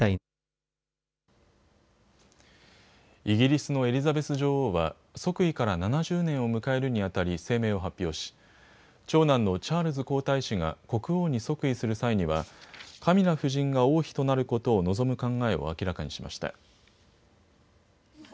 イギリスのエリザベス女王は即位から７０年を迎えるにあたり声明を発表し長男のチャールズ皇太子が国王に即位する際にはカミラ夫人が王妃となることを望む考えを明らかにしました。